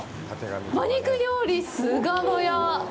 馬肉料理菅乃屋。